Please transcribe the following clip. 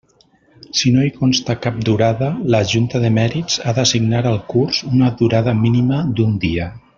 Si no hi consta cap durada, la Junta de Mèrits ha d'assignar al curs una durada mínima d'un dia.